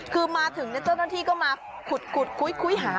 คือมาถึงในน้ำต้นตอนที่ก็มาขุดคุ้ยหา